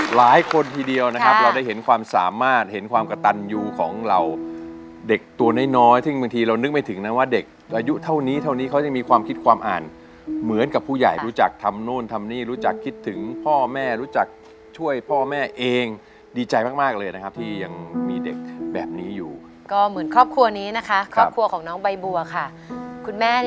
หลายคนทีเดียวนะครับเราได้เห็นความสามารถเห็นความกระตันยูของเราเด็กตัวน้อยน้อยซึ่งบางทีเรานึกไม่ถึงนะว่าเด็กอายุเท่านี้เท่านี้เขายังมีความคิดความอ่านเหมือนกับผู้ใหญ่รู้จักทำโน่นทำนี่รู้จักคิดถึงพ่อแม่รู้จักช่วยพ่อแม่เองดีใจมากมากเลยนะครับที่ยังมีเด็กแบบนี้อยู่ก็เหมือนครอบครัวนี้นะคะครอบครัวของน้องใบบัวค่ะคุณแม่